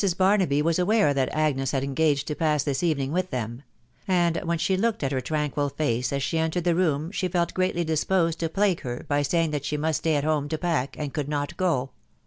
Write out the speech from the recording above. Barnaby was aware that Agnes had engaged to past this evening with them ; and when she looked at her tranquil face as she entered the room she felt greatly disposed to plague her by saying that she must stay at home to pack, and could not go